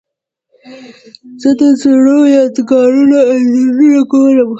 زه د زړو یادګارونو انځورونه ګورم.